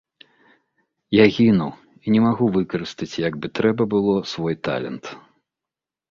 Я гіну і не магу выкарыстаць як бы трэба было свой талент.